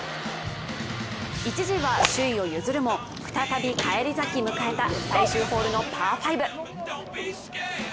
一時は首位を譲るも再び返り咲き迎えた最終ホールのパー５。